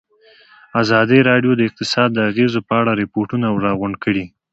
ازادي راډیو د اقتصاد د اغېزو په اړه ریپوټونه راغونډ کړي.